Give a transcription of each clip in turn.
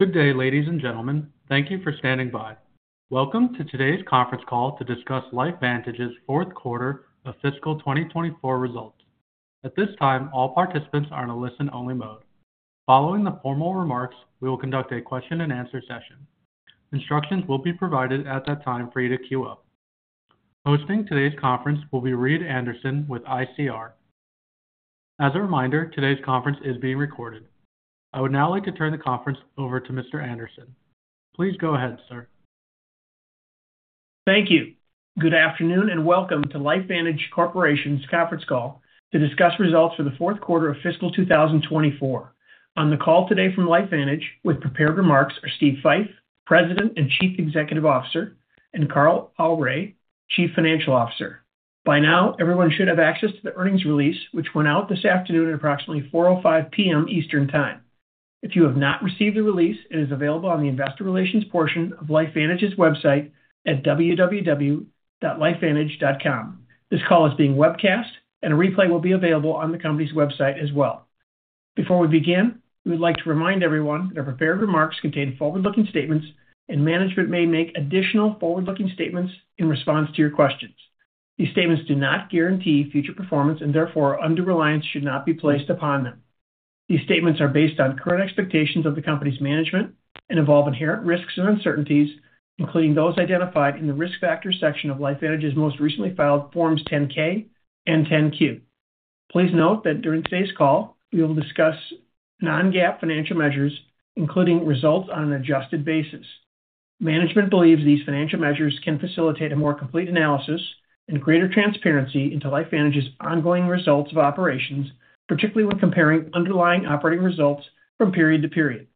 Good day, ladies and gentlemen. Thank you for standing by. Welcome to today's conference call to discuss LifeVantage's fourth quarter of fiscal 2024 results. At this time, all participants are in a listen-only mode. Following the formal remarks, we will conduct a question-and-answer session. Instructions will be provided at that time for you to queue up. Hosting today's conference will be Reid Anderson with ICR. As a reminder, today's conference is being recorded. I would now like to turn the conference over to Mr. Anderson. Please go ahead, sir. Thank you. Good afternoon, and welcome to LifeVantage Corporation's conference call to discuss results for the fourth quarter of fiscal 2024. On the call today from LifeVantage with prepared remarks are Steve Fife, President and Chief Executive Officer, and Carl Aure, Chief Financial Officer. By now, everyone should have access to the earnings release, which went out this afternoon at approximately 4:05 P.M. Eastern Time. If you have not received the release, it is available on the investor relations portion of LifeVantage's website at www.lifevantage.com. This call is being webcast, and a replay will be available on the company's website as well. Before we begin, we would like to remind everyone that our prepared remarks contain forward-looking statements and management may make additional forward-looking statements in response to your questions. These statements do not guarantee future performance and therefore undue reliance should not be placed upon them. These statements are based on current expectations of the company's management and involve inherent risks and uncertainties, including those identified in the Risk Factors section of LifeVantage's most recently filed Forms 10-K and 10-Q. Please note that during today's call, we will discuss non-GAAP financial measures, including results on an adjusted basis. Management believes these financial measures can facilitate a more complete analysis and greater transparency into LifeVantage's ongoing results of operations, particularly when comparing underlying operating results from period to period.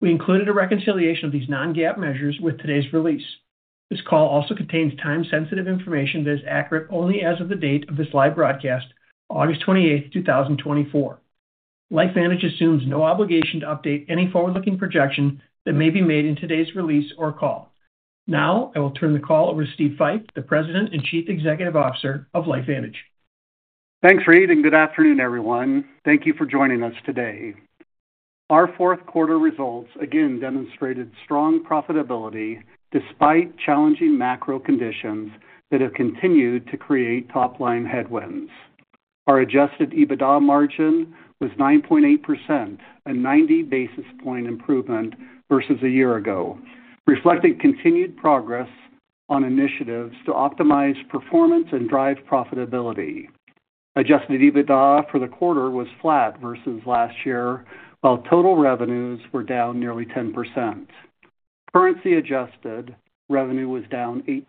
We included a reconciliation of these non-GAAP measures with today's release. This call also contains time-sensitive information that is accurate only as of the date of this live broadcast, August 28th, 2024. LifeVantage assumes no obligation to update any forward-looking projection that may be made in today's release or call. Now, I will turn the call over to Steve Fife, the President and Chief Executive Officer of LifeVantage. Thanks, Reed, and good afternoon, everyone. Thank you for joining us today. Our fourth quarter results again demonstrated strong profitability despite challenging macro conditions that have continued to create top-line headwinds. Our Adjusted EBITDA margin was 9.8%, a 90 basis point improvement versus a year ago, reflecting continued progress on initiatives to optimize performance and drive profitability. Adjusted EBITDA for the quarter was flat versus last year, while total revenues were down nearly 10%. Currency-adjusted revenue was down 8%.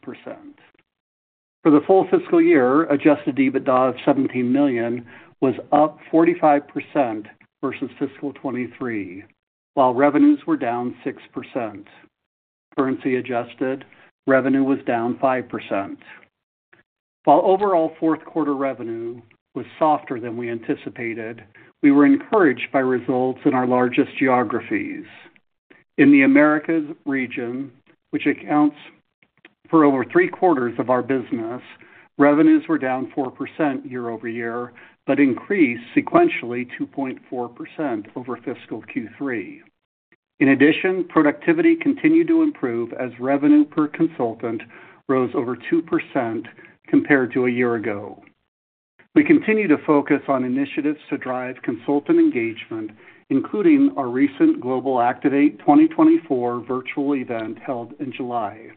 For the full fiscal year, Adjusted EBITDA of $17 million was up 45% versus fiscal 2023, while revenues were down 6%. Currency-adjusted revenue was down 5%. While overall fourth quarter revenue was softer than we anticipated, we were encouraged by results in our largest geographies. In the Americas region, which accounts for over three-quarters of our business, revenues were down 4% year over year, but increased sequentially 2.4% over fiscal Q3. In addition, productivity continued to improve as revenue per consultant rose over 2% compared to a year ago. We continue to focus on initiatives to drive consultant engagement, including our recent Global Activate 2024 virtual event held in July.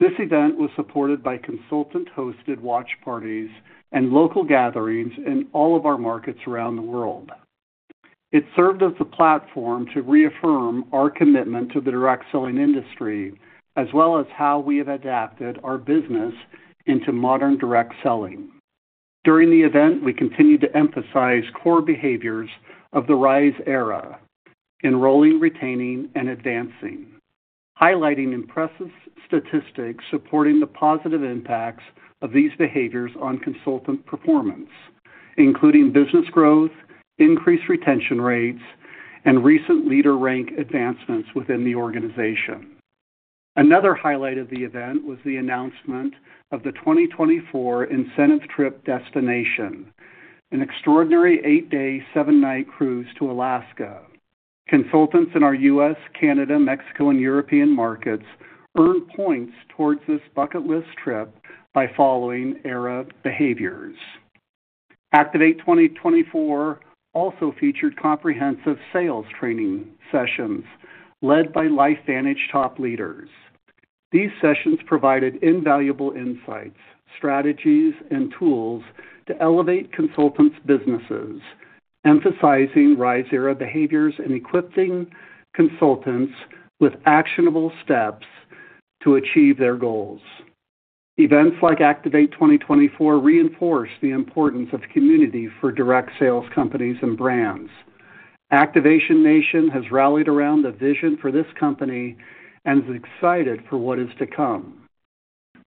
This event was supported by consultant-hosted watch parties and local gatherings in all of our markets around the world. It served as a platform to reaffirm our commitment to the direct selling industry, as well as how we have adapted our business into modern direct selling. During the event, we continued to emphasize core behaviors of the RISE era, enrolling, retaining, and advancing, highlighting impressive statistics supporting the positive impacts of these behaviors on consultant performance, including business growth, increased retention rates, and recent leader rank advancements within the organization. Another highlight of the event was the announcement of the 2024 incentive trip destination, an extraordinary eight-day, seven-night cruise to Alaska. Consultants in our U.S., Canada, Mexico, and European markets earn points towards this bucket list trip by following ERA behaviors. Activate 2024 also featured comprehensive sales training sessions led by LifeVantage top leaders. These sessions provided invaluable insights, strategies, and tools to elevate consultants' businesses, emphasizing RISE era behaviors and equipping consultants with actionable steps to achieve their goals. Events like Activate 2024 reinforce the importance of community for direct sales companies and brands. Activation Nation has rallied around the vision for this company and is excited for what is to come.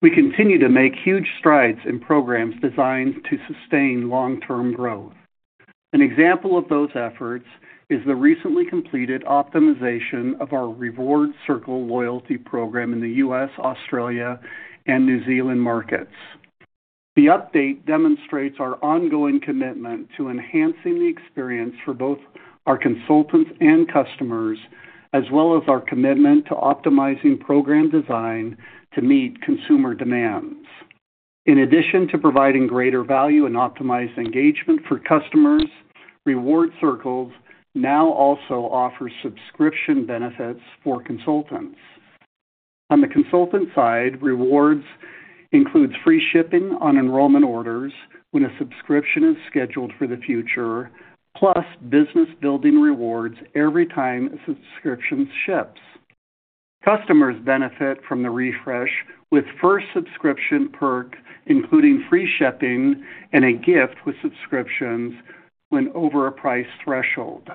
We continue to make huge strides in programs designed to sustain long-term growth. An example of those efforts is the recently completed optimization of our Reward Circle loyalty program in the U.S., Australia, and New Zealand markets. The update demonstrates our ongoing commitment to enhancing the experience for both our consultants and customers, as well as our commitment to optimizing program design to meet consumer demands. In addition to providing greater value and optimized engagement for customers, Reward Circles now also offers subscription benefits for consultants. On the consultant side, rewards includes free shipping on enrollment orders when a subscription is scheduled for the future, plus business building rewards every time a subscription ships. Customers benefit from the refresh, with first subscription perk, including free shipping and a gift with subscriptions when over a price threshold.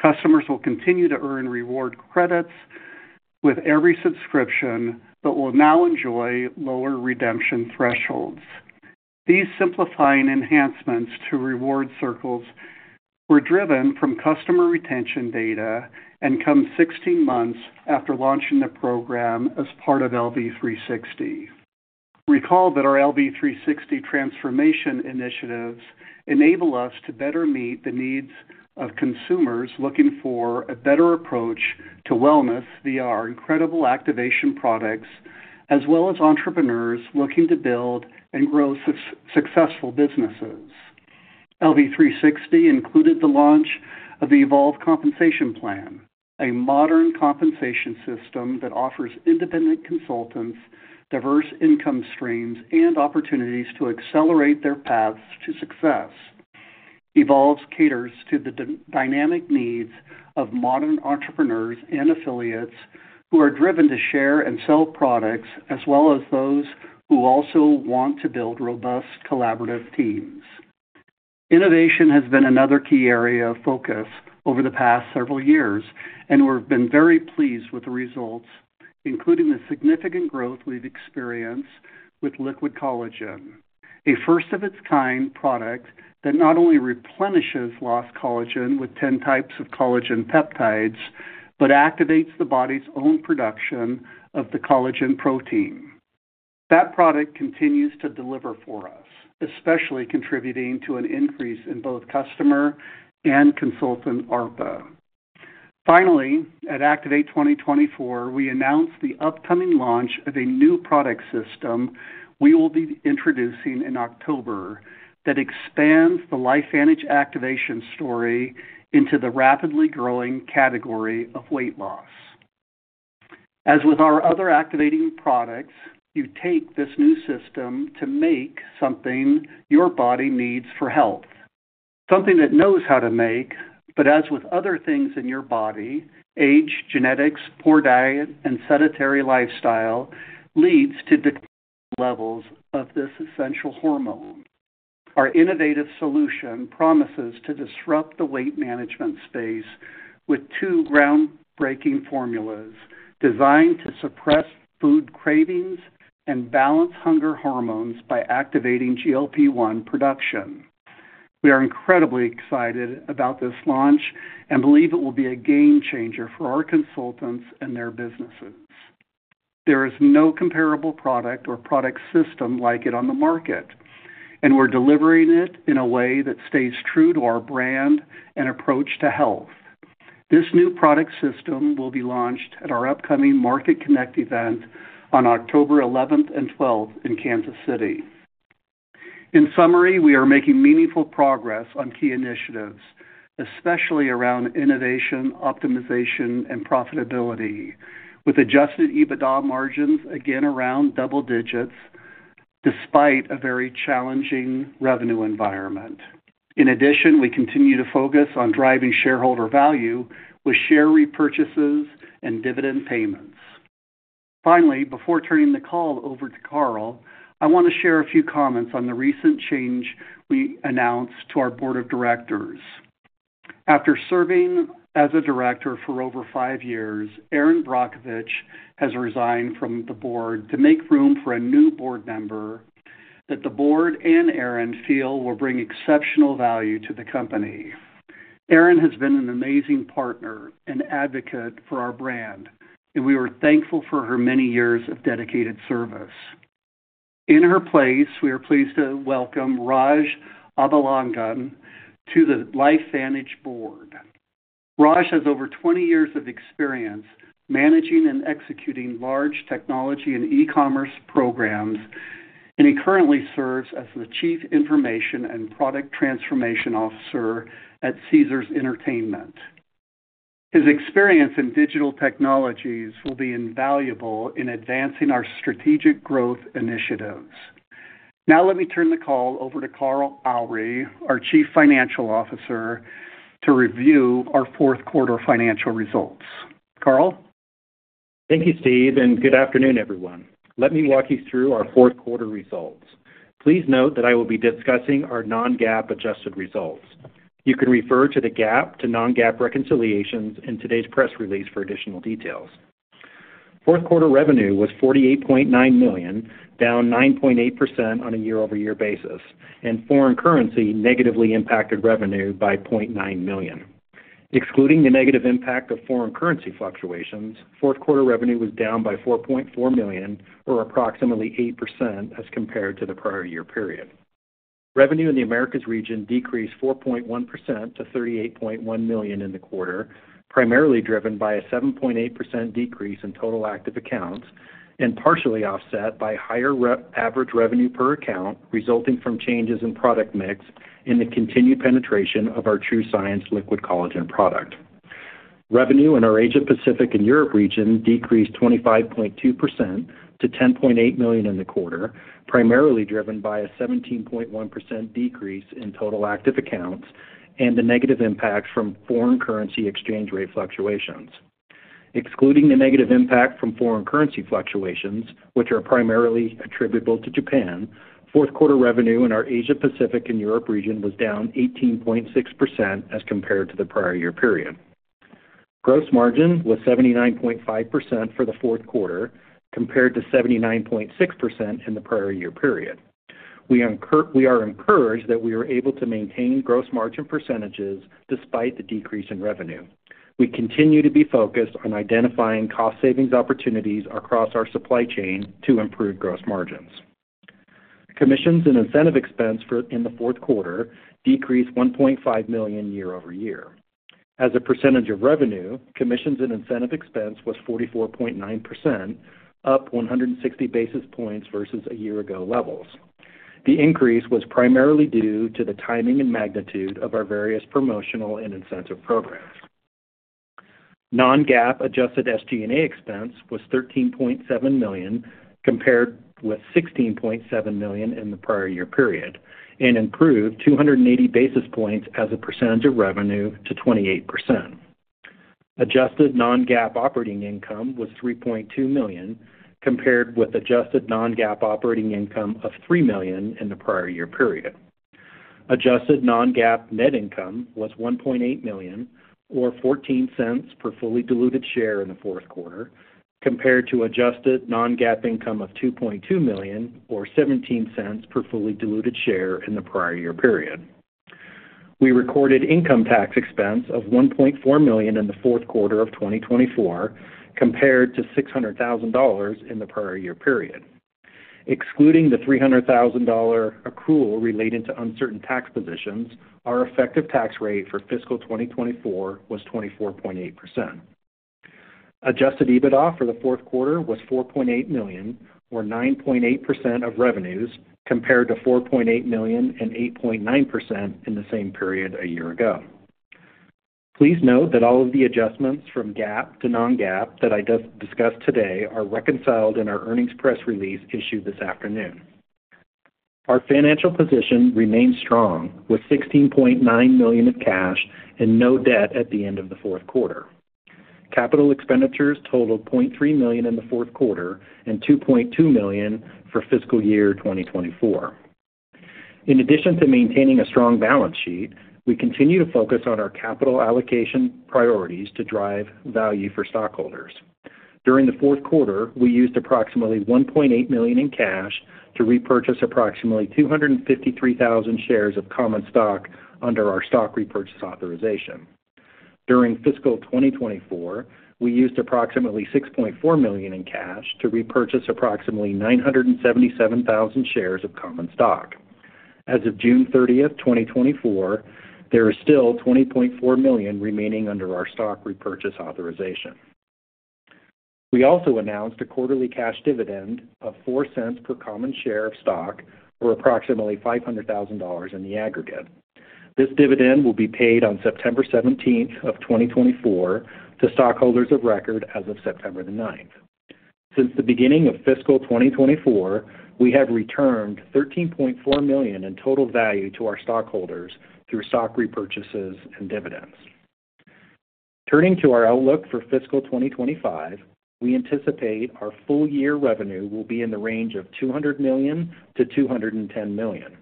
Customers will continue to earn Reward Credits with every subscription, but will now enjoy lower redemption thresholds. These simplifying enhancements to Reward Circles were driven from customer retention data and come sixteen months after launching the program as part of LV360. Recall that our LV360 transformation initiatives enable us to better meet the needs of consumers looking for a better approach to wellness via our incredible activation products, as well as entrepreneurs looking to build and grow successful businesses. LV360 included the launch of the Evolve Compensation Plan, a modern compensation system that offers independent consultants diverse income streams and opportunities to accelerate their paths to success. Evolve caters to the dynamic needs of modern entrepreneurs and affiliates who are driven to share and sell products, as well as those who also want to build robust, collaborative teams. Innovation has been another key area of focus over the past several years, and we've been very pleased with the results, including the significant growth we've experienced with liquid collagen, a first-of-its-kind product that not only replenishes lost collagen with 10 types of collagen peptides, but activates the body's own production of the collagen protein. That product continues to deliver for us, especially contributing to an increase in both customer and consultant ARPA. Finally, at Activate 2024, we announced the upcoming launch of a new product system we will be introducing in October that expands the LifeVantage activation story into the rapidly growing category of weight loss. As with our other activating products, you take this new system to make something your body needs for health, something it knows how to make, but as with other things in your body, age, genetics, poor diet, and sedentary lifestyle leads to decreased levels of this essential hormone. Our innovative solution promises to disrupt the weight management space with two groundbreaking formulas designed to suppress food cravings and balance hunger hormones by activating GLP-1 production. We are incredibly excited about this launch and believe it will be a game changer for our consultants and their businesses. There is no comparable product or product system like it on the market, and we're delivering it in a way that stays true to our brand and approach to health. This new product system will be launched at our upcoming Market Connect event on October eleventh and twelfth in Kansas City. In summary, we are making meaningful progress on key initiatives, especially around innovation, optimization, and profitability, with Adjusted EBITDA margins again around double digits, despite a very challenging revenue environment. In addition, we continue to focus on driving shareholder value with share repurchases and dividend payments. Finally, before turning the call over to Carl, I want to share a few comments on the recent change we announced to our board of directors. After serving as a director for over five years, Erin Brockovich has resigned from the board to make room for a new board member that the board and Erin feel will bring exceptional value to the company. Erin has been an amazing partner and advocate for our brand, and we are thankful for her many years of dedicated service. In her place, we are pleased to welcome Rajavel Ganapathipillai to the LifeVantage board. Raj has over 20 years of experience managing and executing large technology and e-commerce programs, and he currently serves as the Chief Information and Product Transformation Officer at Caesars Entertainment. His experience in digital technologies will be invaluable in advancing our strategic growth initiatives. Now, let me turn the call over to Carl Aure, our Chief Financial Officer, to review our fourth quarter financial results. Carl? Thank you, Steve, and good afternoon, everyone. Let me walk you through our fourth quarter results. Please note that I will be discussing our non-GAAP adjusted results. You can refer to the GAAP to non-GAAP reconciliations in today's press release for additional details. Fourth quarter revenue was $48.9 million, down 9.8% on a year-over-year basis, and foreign currency negatively impacted revenue by $0.9 million, excluding the negative impact of foreign currency fluctuations, fourth quarter revenue was down by $4.4 million, or approximately 8% as compared to the prior year period. Revenue in the Americas region decreased 4.1% to $38.1 million in the quarter, primarily driven by a 7.8% decrease in total active accounts, and partially offset by higher average revenue per account, resulting from changes in product mix and the continued penetration of our TrueScience Liquid Collagen product. Revenue in our Asia Pacific and Europe region decreased 25.2% to $10.8 million in the quarter, primarily driven by a 17.1% decrease in total active accounts and the negative impact from foreign currency exchange rate fluctuations. Excluding the negative impact from foreign currency fluctuations, which are primarily attributable to Japan, fourth quarter revenue in our Asia Pacific and Europe region was down 18.6% as compared to the prior year period. Gross margin was 79.5% for the fourth quarter, compared to 79.6% in the prior year period. We are encouraged that we were able to maintain gross margin percentages despite the decrease in revenue. We continue to be focused on identifying cost savings opportunities across our supply chain to improve gross margins. Commissions and incentive expense in the fourth quarter decreased $1.5 million year over year. As a percentage of revenue, commissions and incentive expense was 44.9%, up 160 basis points versus a year ago levels. The increase was primarily due to the timing and magnitude of our various promotional and incentive programs. Non-GAAP adjusted SG&A expense was $13.7 million, compared with $16.7 million in the prior year period, and improved 280 basis points as a percentage of revenue to 28%. Adjusted non-GAAP operating income was $3.2 million, compared with adjusted non-GAAP operating income of $3 million in the prior year period. Adjusted non-GAAP net income was $1.8 million, or $0.14 per fully diluted share in the fourth quarter, compared to adjusted non-GAAP income of $2.2 million, or $0.17 per fully diluted share in the prior year period. We recorded income tax expense of $1.4 million in the fourth quarter of 2024, compared to $600,000 in the prior year period. Excluding the $300,000 accrual related to uncertain tax positions, our effective tax rate for fiscal 2024 was 24.8%. Adjusted EBITDA for the fourth quarter was $4.8 million, or 9.8% of revenues, compared to $4.8 million and 8.9% in the same period a year ago. Please note that all of the adjustments from GAAP to non-GAAP that I discussed today are reconciled in our earnings press release issued this afternoon. Our financial position remains strong, with $16.9 million of cash and no debt at the end of the fourth quarter. Capital expenditures totaled $0.3 million in the fourth quarter and $2.2 million for fiscal year 2024. In addition to maintaining a strong balance sheet, we continue to focus on our capital allocation priorities to drive value for stockholders. During the fourth quarter, we used approximately $1.8 million in cash to repurchase approximately 253,000 shares of common stock under our stock repurchase authorization. During fiscal 2024, we used approximately $6.4 million in cash to repurchase approximately 977,000 shares of common stock. As of June thirtieth, 2024, there is still $20.4 million remaining under our stock repurchase authorization. We also announced a quarterly cash dividend of $0.04 per common share of stock, or approximately $500,000 in the aggregate. This dividend will be paid on September 17th, 2024 to stockholders of record as of September the 9th. Since the beginning of fiscal 2024, we have returned $13.4 million in total value to our stockholders through stock repurchases and dividends. Turning to our outlook for fiscal 2025, we anticipate our full year revenue will be in the range of $200 million-$210 million.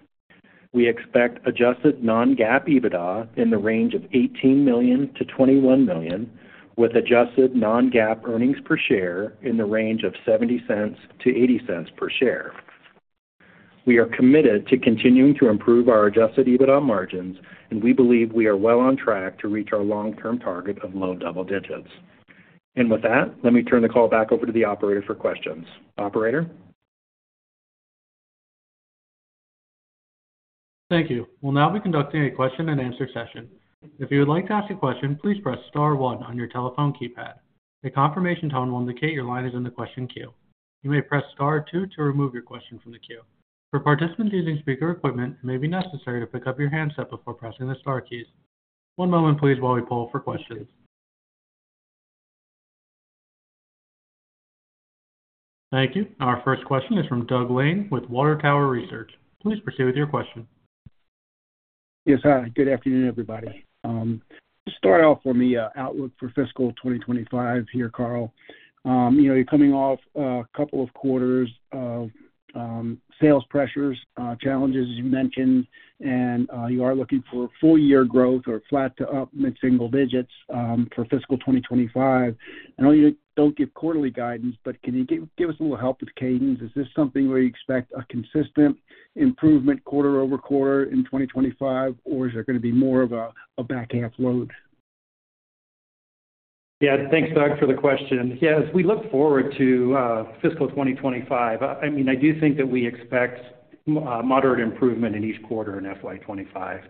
We expect adjusted non-GAAP EBITDA in the range of $18 million-$21 million, with adjusted non-GAAP earnings per share in the range of $0.70-$0.80 per share. We are committed to continuing to improve our adjusted EBITDA margins, and we believe we are well on track to reach our long-term target of low double digits. And with that, let me turn the call back over to the operator for questions. Operator? Thank you. We'll now be conducting a question-and-answer session. If you would like to ask a question, please press star one on your telephone keypad. A confirmation tone will indicate your line is in the question queue. You may press star two to remove your question from the queue. For participants using speaker equipment, it may be necessary to pick up your handset before pressing the star keys. One moment please while we poll for questions. Thank you. Our first question is from Doug Lane with Water Tower Research. Please proceed with your question. Yes, hi, good afternoon, everybody. Start off for me, outlook for fiscal 2025 here, Carl. You know, you're coming off a couple of quarters of sales pressures, challenges, as you mentioned, and you are looking for full year growth or flat to up mid-single digits for fiscal 2025. I know you don't give quarterly guidance, but can you give us a little help with cadence? Is this something where you expect a consistent improvement quarter over quarter in 2025, or is there going to be more of a back half load? Yeah, thanks, Doug, for the question. Yeah, as we look forward to fiscal 2025, I mean, I do think that we expect moderate improvement in each quarter in FY 2025.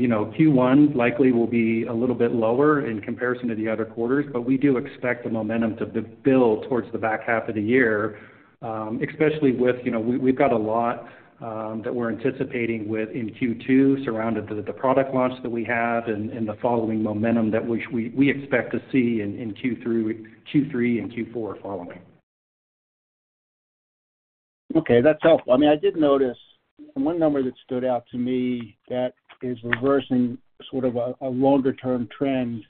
You know, Q1 likely will be a little bit lower in comparison to the other quarters, but we do expect the momentum to build towards the back half of the year, especially with, you know, we've got a lot that we're anticipating within Q2, surrounding the product launch that we have and the following momentum that we expect to see in Q3 and Q4 following. Okay, that's helpful. I mean, I did notice one number that stood out to me that is reversing sort of a longer-term trend,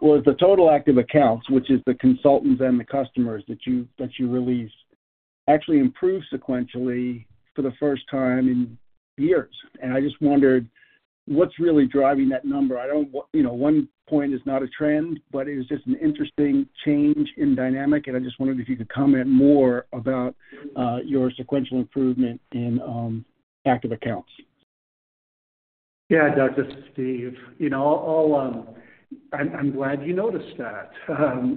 was the total active accounts, which is the consultants and the customers that you released, actually improved sequentially for the first time in years. And I just wondered, what's really driving that number? I don't, you know, one point is not a trend, but it is just an interesting change in dynamic. And I just wondered if you could comment more about your sequential improvement in active accounts. Yeah, Doug, this is Steve. You know, I'm glad you noticed that.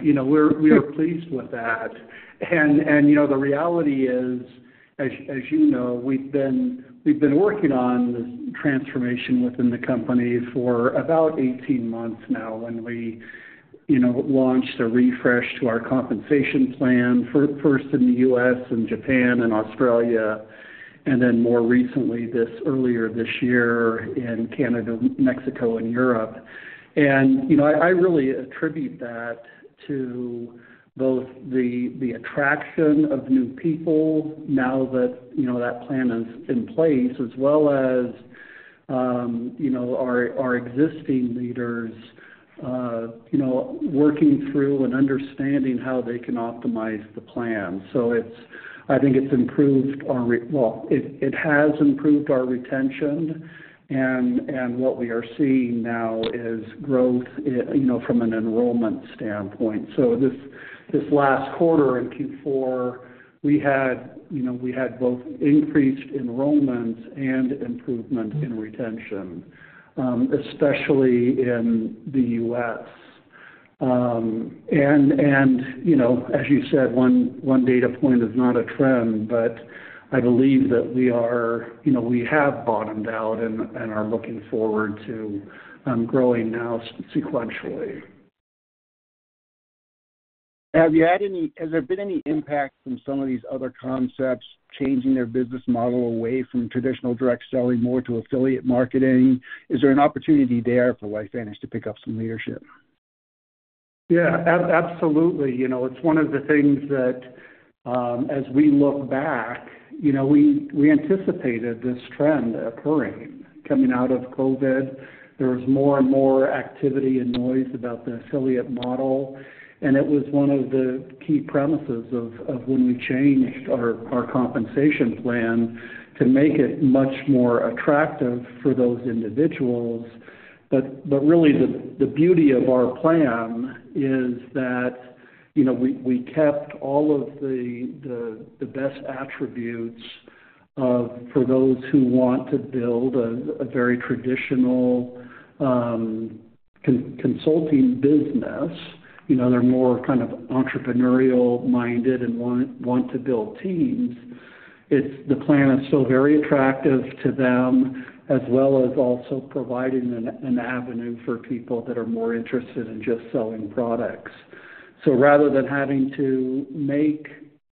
You know, we're pleased with that. And, you know, the reality is, as you know, we've been working on this transformation within the company for about eighteen months now, when we launched a refresh to our compensation plan, first in the US and Japan and Australia, and then more recently, this earlier this year in Canada, Mexico, and Europe. And, you know, I really attribute that to both the attraction of new people now that that plan is in place, as well as, you know, our existing leaders, you know, working through and understanding how they can optimize the plan. I think it's improved our retention, and what we are seeing now is growth, you know, from an enrollment standpoint, so this last quarter, in Q4, we had, you know, both increased enrollment and improvement in retention, especially in the U.S., and you know, as you said, one data point is not a trend, but I believe that we are, you know, we have bottomed out and are looking forward to growing now sequentially. Has there been any impact from some of these other concepts changing their business model away from traditional direct selling more to affiliate marketing? Is there an opportunity there for LifeVantage to pick up some leadership? Yeah, absolutely. You know, it's one of the things that, as we look back, you know, we anticipated this trend occurring. Coming out of COVID, there was more and more activity and noise about the affiliate model, and it was one of the key premises of when we changed our compensation plan to make it much more attractive for those individuals. But really the beauty of our plan is that, you know, we kept all of the best attributes for those who want to build a very traditional consulting business. You know, they're more kind of entrepreneurial minded and want to build teams. It's the plan is still very attractive to them, as well as also providing an avenue for people that are more interested in just selling products. So rather than having to make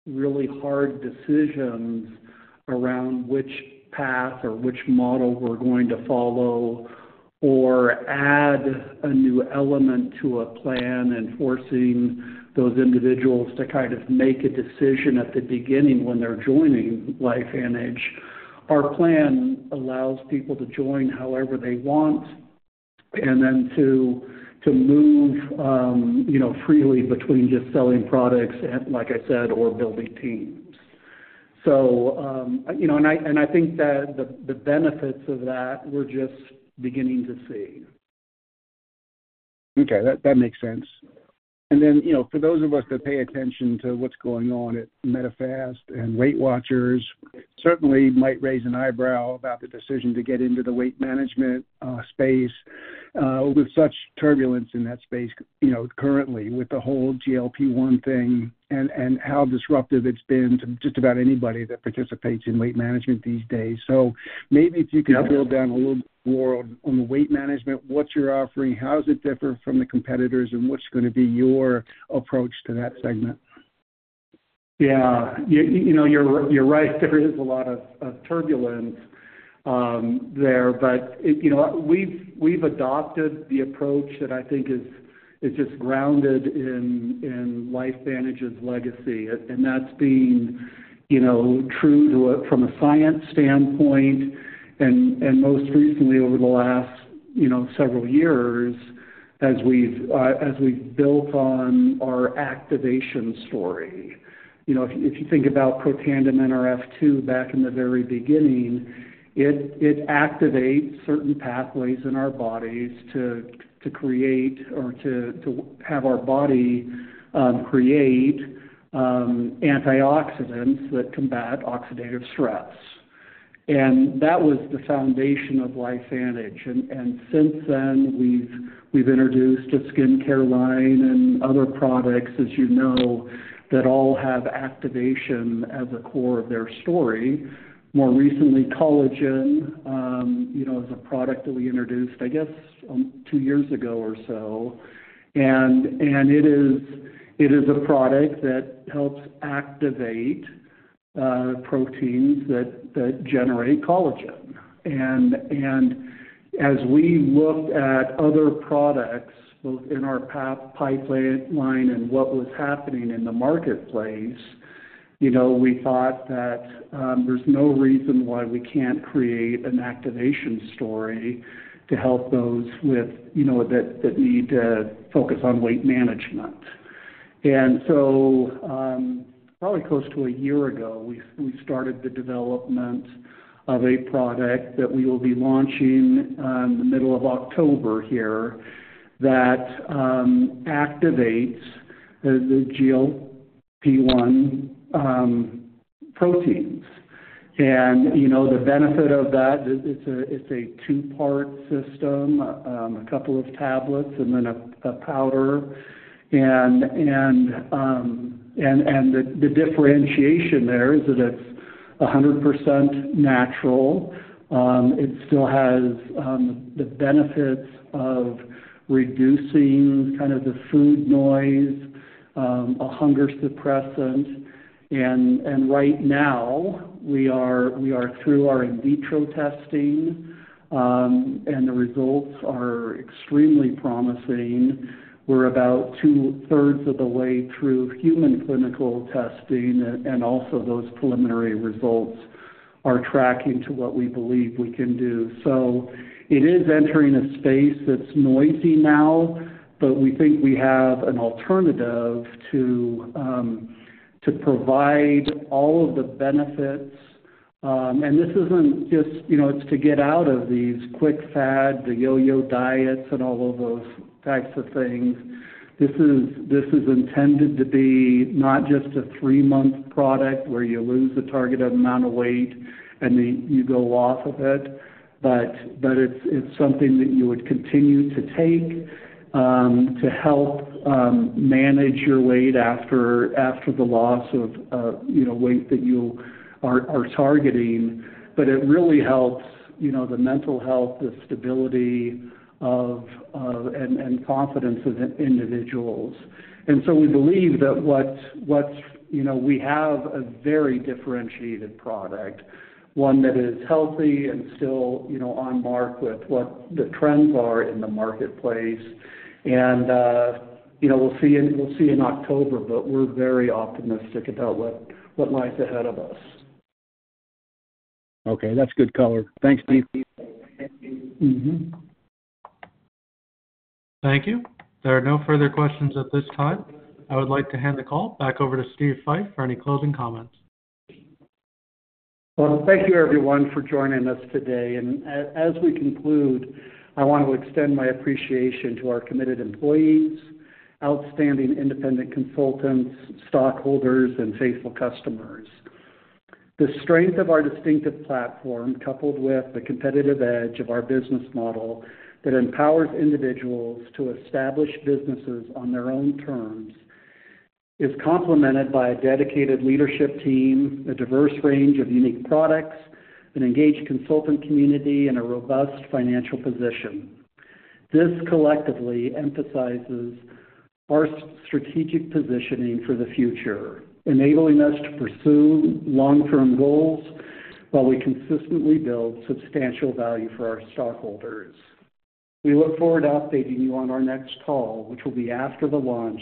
really hard decisions around which path or which model we're going to follow, or add a new element to a plan and forcing those individuals to kind of make a decision at the beginning when they're joining LifeVantage, our plan allows people to join however they want, and then to move, you know, freely between just selling products, and like I said, or building teams. So, you know, and I think that the benefits of that, we're just beginning to see. Okay, that makes sense. And then, you know, for those of us that pay attention to what's going on at Medifast and Weight Watchers, certainly might raise an eyebrow about the decision to get into the weight management space with such turbulence in that space, you know, currently, with the whole GLP-1 thing and how disruptive it's been to just about anybody that participates in weight management these days. So maybe if you could- Yeah... drill down a little more on the weight management, what you're offering, how does it differ from the competitors, and what's gonna be your approach to that segment? Yeah. You know, you're right. There is a lot of turbulence there. But you know, we've adopted the approach that I think is just grounded in LifeVantage's legacy, and that's being, you know, true to from a science standpoint and most recently, over the last several years as we've built on our activation story. You know, if you think about Protandim Nrf2 back in the very beginning, it activates certain pathways in our bodies to create or to have our body create antioxidants that combat oxidative stress. And that was the foundation of LifeVantage. And since then, we've introduced a skincare line and other products, as you know, that all have activation as a core of their story. More recently, collagen, you know, is a product that we introduced, I guess, two years ago or so. And it is a product that helps activate proteins that generate collagen. And as we looked at other products, both in our pipeline and what was happening in the marketplace, you know, we thought that there's no reason why we can't create an activation story to help those with, you know, that need to focus on weight management. And so, probably close to a year ago, we started the development of a product that we will be launching in the middle of October here, that activates the GLP-1 proteins. And, you know, the benefit of that is it's a two-part system, a couple of tablets and then a powder. The differentiation there is that it's 100% natural. It still has the benefits of reducing kind of the food noise, a hunger suppressant. And right now, we are through our in vitro testing, and the results are extremely promising. We're about two-thirds of the way through human clinical testing, and also those preliminary results are tracking to what we believe we can do. It is entering a space that's noisy now, but we think we have an alternative to provide all of the benefits. And this isn't just, you know, it's to get out of these quick fad, the yo-yo diets, and all of those types of things. This is intended to be not just a three-month product, where you lose a targeted amount of weight and then you go off of it. But it's something that you would continue to take to help manage your weight after the loss of you know weight that you are targeting. But it really helps you know the mental health, the stability of and confidence of individuals. And so we believe that what's you know we have a very differentiated product, one that is healthy and still you know on par with what the trends are in the marketplace. And you know we'll see in October, but we're very optimistic about what lies ahead of us. Okay. That's good color. Thanks, Steve. Mm-hmm. Thank you. There are no further questions at this time. I would like to hand the call back over to Steve Fife for any closing comments. Thank you, everyone, for joining us today. As we conclude, I want to extend my appreciation to our committed employees, outstanding independent consultants, stockholders, and faithful customers. The strength of our distinctive platform, coupled with the competitive edge of our business model that empowers individuals to establish businesses on their own terms, is complemented by a dedicated leadership team, a diverse range of unique products, an engaged consultant community, and a robust financial position. This collectively emphasizes our strategic positioning for the future, enabling us to pursue long-term goals while we consistently build substantial value for our stockholders. We look forward to updating you on our next call, which will be after the launch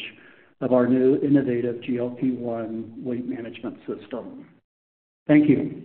of our new innovative GLP-1 Weight Management System. Thank you.